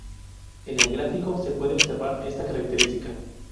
En el gráfico se puede observar esta característica.